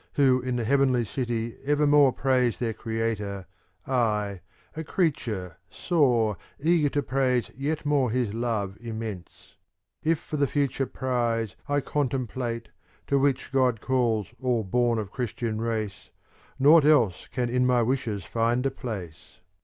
Who in the heavenly city evermore Praise their Creator, I, a creature, soar. Eager to praise yet more His love immense. For if the future prize I contemplate. To which God calls all born of Christian race. Nought else can in my wishes find a place.